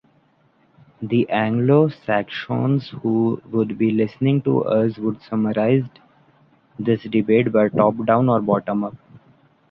The Anglo-Saxons who would be listening to us would summarized this debate by top down or bottom up.